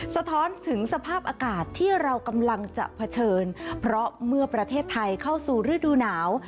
สะท้อนถึงสภาพอากาศที่เรากำลังจะเผชิญเพราะเมื่อประเทศไทยเข้าสู่ฤดูหนาว